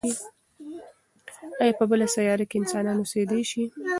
ایا په بله سیاره کې انسانان اوسېدای شي؟